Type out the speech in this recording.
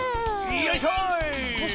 よいしょい！